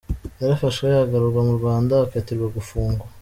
Yarafashwe, agarurwa mu Rwanda akatirwa gufungwa.